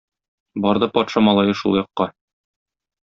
Барды патша малае шул якка.